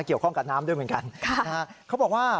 เกี่ยวข้องกับน้ำด้วยเหมือนกันเขาบอกว่า